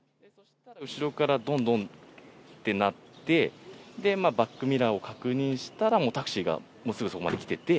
後ろから、どんどんってなって、バックミラーを確認したら、もうタクシーがもうすぐそこまで来てて。